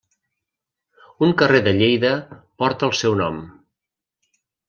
Un carrer de Lleida porta el seu nom.